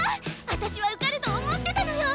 私は受かると思ってたのよ！